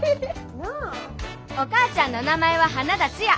お母ちゃんの名前は花田ツヤ。